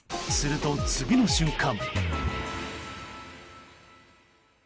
すると、次の瞬間。